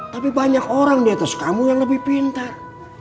tapi banyak orang di atas kamu yang lebih pintar